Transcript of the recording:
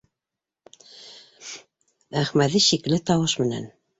Әхмәҙи шикле тауыш менән: